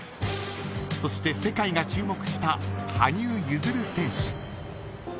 そして世界が注目した羽生結弦選手。